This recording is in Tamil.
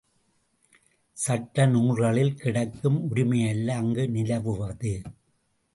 சட்ட நூல்களில் கிடக்கும் உரிமையல்ல, அங்கு நிலவுவது.